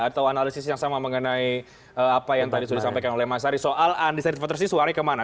atau analisis yang sama mengenai apa yang tadi sudah disampaikan oleh mas ari soal undecided votersy suaranya kemana